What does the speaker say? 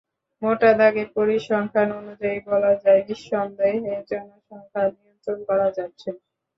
মোটা দাগের পরিসংখ্যান অনুযায়ী বলা যায়, নিঃসন্দেহে জনসংখ্যা নিয়ন্ত্রণ করা যাচ্ছে।